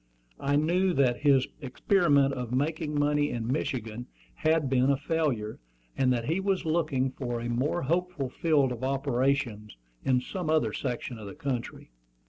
I knew that his experiment of making money in Michigan had been a failure, and that he was looking for a more hopeful field of operations in some other section of the country.